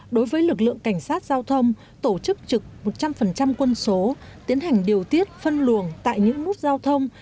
đối với lực lượng cảnh sát giao thông tổ chức trực một trăm linh quân số tiến hành điều tiết phân luồng tại những nút giao thông